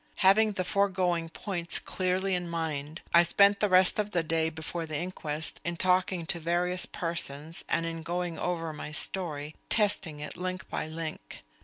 Having the foregoing points clearly in mind, I spent the rest of the day before the inquest in talking to various persons and in going over my story, testing it link by link.